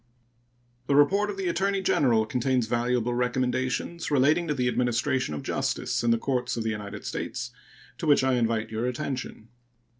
The report of the Attorney General contains valuable recommendations relating to the administration of justice in the courts of the United States, to which I invite your attention.